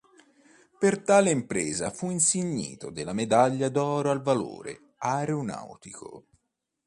Per tale impresa fu insignito della Medaglia d’oro al valore aeronautico.